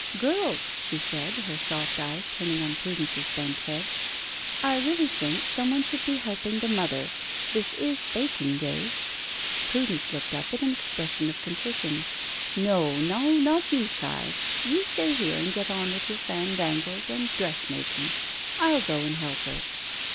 "Girls," she said, her soft eyes turning on Prudence's bent head, "I really think some one should be helping the mother. This is baking day." Prudence looked up with an expression of contrition. "No no, not you, child. You stay here and get on with your fandangles and dressmaking. I'll go and help her."